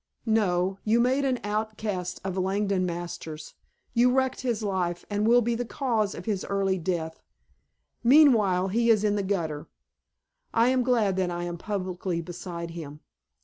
"No. You made an outcast of Langdon Masters. You wrecked his life and will be the cause of his early death. Meanwhile he is in the gutter. I am glad that I am publicly beside him....